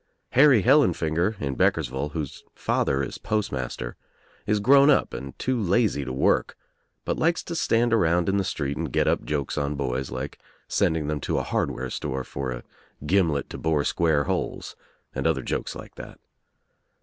Harry Hellin (inger in Beckersville, whose father is Postmaster, is grown up and too lazy to work, but likes to stand around in the street and get up jokes on boys like send ing them to a hardware store for a gimlet to bore square holes and other jokes like that.